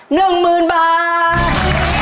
หนึ่งหมื่นบาท